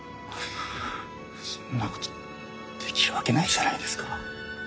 そんなことできるわけないじゃないですか。